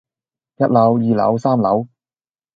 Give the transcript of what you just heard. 一樓，二樓，三樓